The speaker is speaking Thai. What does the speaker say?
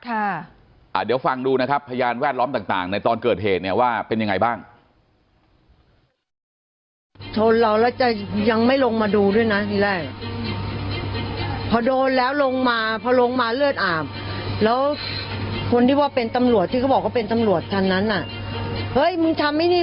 เดี๋ยวฟังดูนะครับพยานแวดล้อมต่างในตอนเกิดเหตุเนี่ยว่าเป็นยังไงบ้าง